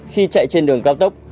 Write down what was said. khi chạy trên đường cao tốc